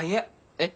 えっ？